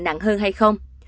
bệnh nặng hơn hay không